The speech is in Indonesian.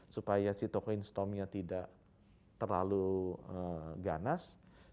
supaya si toko instomnya tidak terlalu ganas